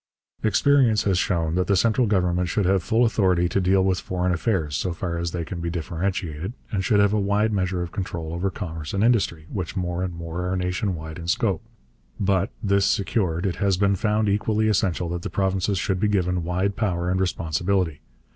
Experience has shown that the central government should have full authority to deal with foreign affairs so far as they can be differentiated, and should have a wide measure of control over commerce and industry, which more and more are nation wide in scope. But, this secured, it has been found equally essential that the provinces should be given wide power and responsibility.